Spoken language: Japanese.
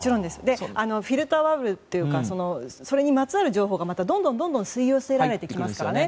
フィルターバブルというかそれにまつわる情報がどんどん吸い寄せられますよね。